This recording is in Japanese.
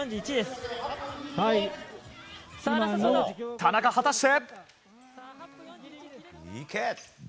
田中、果たして。